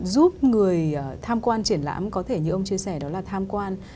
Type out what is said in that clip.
giúp người tham quan triển lãm có thể như ông chia sẻ đó là tham quan